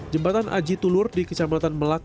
jembatan aji tulur di kecamatan melak